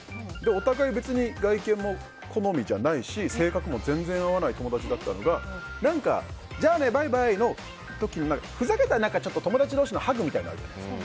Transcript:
お互い別に外見も好みじゃないし性格も全然合わない友達だったのが何か、じゃあねバイバイ！の時にふざけたら友達同士のハグみたいなのあるじゃないですか。